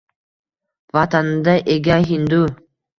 Vatanida ega hindu